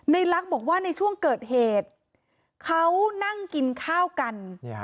ลักษณ์บอกว่าในช่วงเกิดเหตุเขานั่งกินข้าวกัน